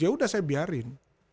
ya udah saya biarin